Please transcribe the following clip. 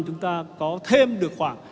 chúng ta có thêm được khoảng